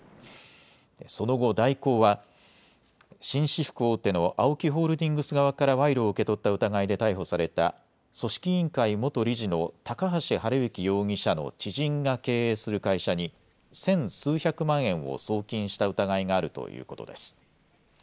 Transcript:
その後、大広は紳士服大手のＡＯＫＩホールディングス側から賄賂を受け取った疑いで逮捕された組織委員会元理事の高橋治之容疑者の知人が経営する会社に１０００数百万円を送金した疑いがあるということです。